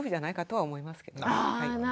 はい。